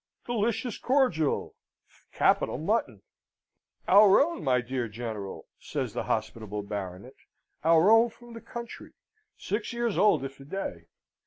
Delicious cordial! Capital mutton! Our own, my dear General," says the hospitable Baronet, "our own from the country, six years old if a day.